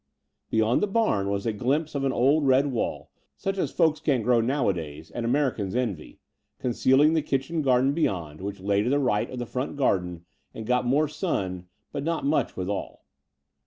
Beyond the bam was a glimpse of old red wall, such as folk can't grow nowadays — and Americans envy — concealing the kitchen garden beyond, which lay to the right of the front garden and got more sun, but not much withal.